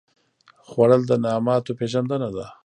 خوړل د نعماتو پېژندنه ده